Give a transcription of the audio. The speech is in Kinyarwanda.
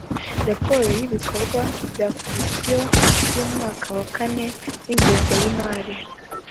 raporo y ibikorwa bya komisiyo by umwaka wa kane wingengo yimari